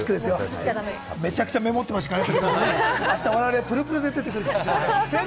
めちゃくちゃメモっていましたね。